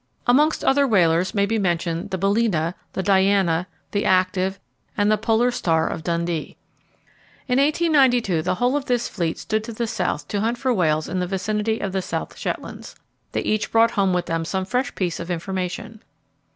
Amongst other whalers may be mentioned the Balæna, the Diana, the Active, and the Polar Star of Dundee. In 1892 the whole of this fleet stood to the South to hunt for whales in the vicinity of the South Shetlands. They each brought home with them some fresh piece of information.